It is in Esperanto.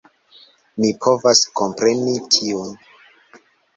Mi povas kompreni tiun